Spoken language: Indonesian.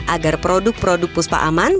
agar produk produk puspa aman